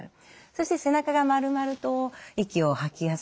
そして背中が丸まると息を吐きやすくなる。